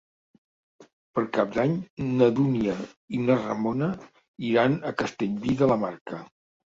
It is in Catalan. Per Cap d'Any na Dúnia i na Ramona iran a Castellví de la Marca.